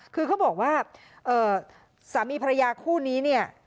คือเขาบอกว่าสามีภรรยาคู่นี้เนี่ย